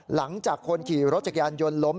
หลังจากคนขี่รถจักรยานยนต์ล้ม